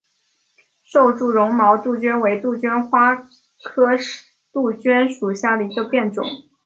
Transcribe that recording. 瘦柱绒毛杜鹃为杜鹃花科杜鹃属下的一个变种。